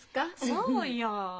そうよ。